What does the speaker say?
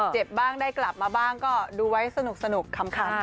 เจ็บบ้างได้กลับมาบ้างก็ดูไว้สนุกขำ